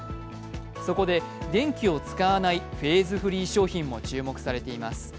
そこで電気を使わないフェーズフリー商品も注目されています。